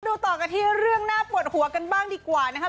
ต่อกันที่เรื่องน่าปวดหัวกันบ้างดีกว่านะครับ